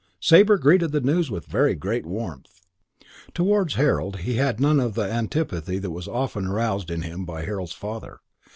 Sabre greeted the news with very great warmth. Towards Harold he had none of the antipathy that was often aroused in him by Harold's father.